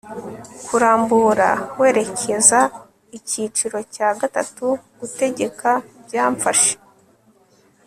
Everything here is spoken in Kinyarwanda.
kurambura werekezaicyiciro cya gatatu gutegeka byamfashe